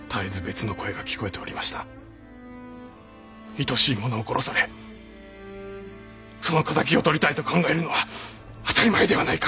「いとしい者を殺されその敵をとりたいと考えるのは当たり前ではないか」。